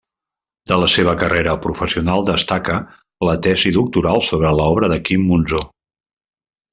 De la seva carrera professional destaca la tesi doctoral sobre l'obra de Quim Monzó.